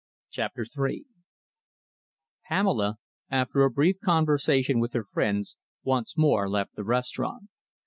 CHAPTER III Pamela, after a brief conversation with her friends, once more left the restaurant.